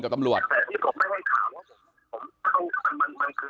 เห็นมาจำผมได้